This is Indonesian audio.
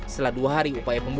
setelah dua hari upaya pembukaan